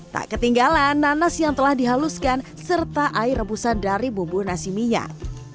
tak ketinggalan nanas yang telah dihaluskan serta air rebusan dari bumbu nasi minyak